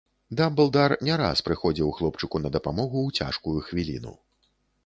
Дамблдар не раз прыходзіў хлопчыку на дапамогу ў цяжкую хвіліну.